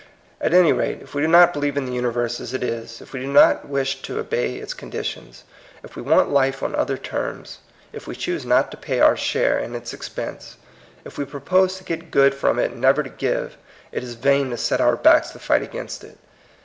At any rate, if we do not believe in the uniyerse as it is, if we do not wish to obey its conditions, if we want life on other terms, if we choose not to pay our share in its expense, if we propose to get good frond it and never to give, it is vain to set our backs to fight against it.